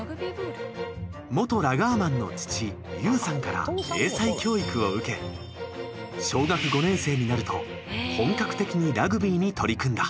元ラガーマンの父雄さんから英才教育を受け小学５年生になると本格的にラグビーに取り組んだ。